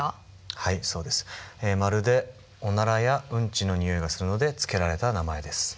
はいそうです。まるでおならやうんちのにおいがするので付けられた名前です。